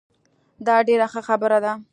دا ډیره ښه خبره ده